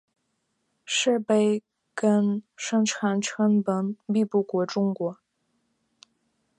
設備跟生產成本比不過中國